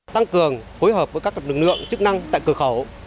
tăng cường phối hợp với các lực lượng chức năng tại cửa khẩu